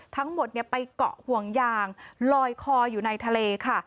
ทั้งหมดไปเกาะห่วงยางลอยคออยู่ในทะเลค่ะ